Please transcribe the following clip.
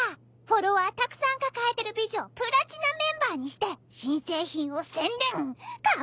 フォロワーたくさん抱えてる美女をプラチナメンバーにして新製品を宣伝拡散さ！